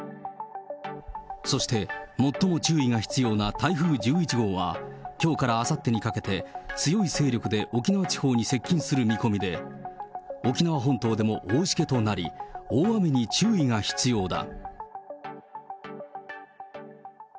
そして、最も注意が必要な台風１１号は、きょうからあさってにかけて、強い勢力で沖縄地方に接近する見込みで、沖縄本島でも大しけとなり、大雨に注意が必要だ。